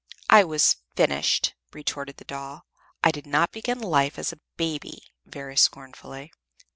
"I was FINISHED," retorted the doll "I did not begin life as a baby!" very scornfully.